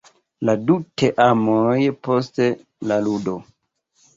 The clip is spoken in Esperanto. La du teamoj post la ludo.